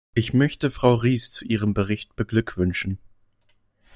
Ich möchte Frau Ries zu ihrem Bericht beglückwünschen.